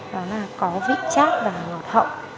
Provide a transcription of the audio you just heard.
đó là có vị chát và ngọt hậu